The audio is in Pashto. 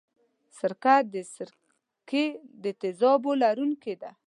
سرکه د سرکې د تیزابو لرونکې ده.